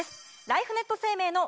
ライフネット生命の。